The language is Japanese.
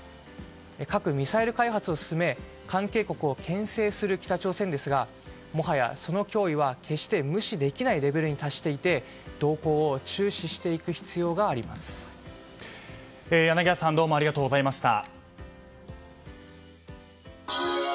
核・ミサイル開発を進め関係国を牽制する北朝鮮ですがもはや、その脅威は決して無視できないレベルに達していて動向を注視していく柳谷さんどうもありがとうございました。